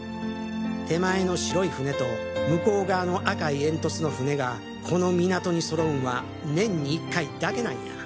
手前の白い船と向こう側の赤い煙突の船がこの港に揃うんは年に１回だけなんや。